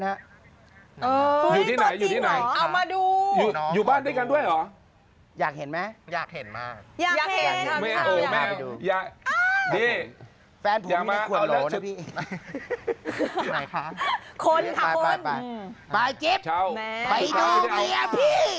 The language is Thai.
ไปเจาจะเอากลีเอ้ยพี่